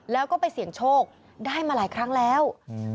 แล้วก็ไปเสี่ยงโชคได้มาหลายครั้งแล้ว